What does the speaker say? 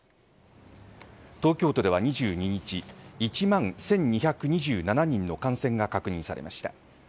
東京都では、２２日１万１２２７人の感染が確認されました。